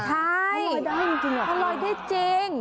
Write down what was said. ใช่มันลอยได้จริง